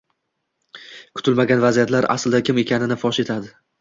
kutilmagan vaziyatlar aslida kim ekanligimizni fosh etadi.